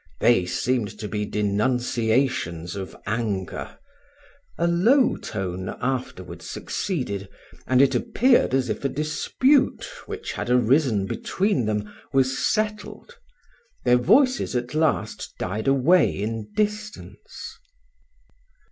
They seemed to be denunciations of anger; a low tone afterwards succeeded, and it appeared as if a dispute, which had arisen between them, was settled: their voices at last died away in distance.